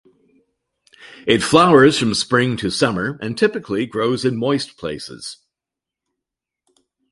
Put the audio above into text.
It flowers from spring to summer and typically grows in moist places.